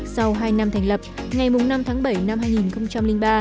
sau hai năm thành lập ngày năm tháng bảy năm hai nghìn ba